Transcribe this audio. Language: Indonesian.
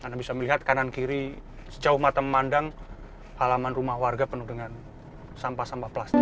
anda bisa melihat kanan kiri sejauh mata memandang halaman rumah warga penuh dengan sampah sampah plastik